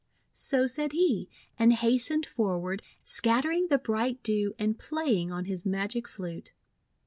So said he, and hastened forward, scattering the bright Dew and playing on his magic flute.